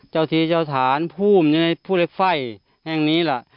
เจ้าทีเจ้าฐานภูเหล็กไฟแห้งนี้แหละ